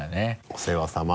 お世話さま。